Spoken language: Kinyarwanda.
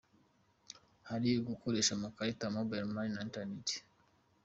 Hari ugukoresha amakarita, Mobile Money na Internet.